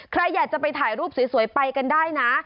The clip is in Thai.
ใครอยากจะไปถ่ายรูปสวยไปกันได้นะ